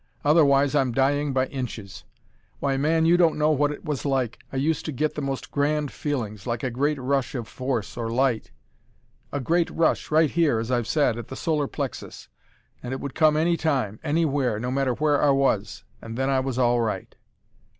Otherwise I'm dying by inches. Why, man, you don't know what it was like. I used to get the most grand feelings like a great rush of force, or light a great rush right here, as I've said, at the solar plexus. And it would come any time anywhere no matter where I was. And then I was all right.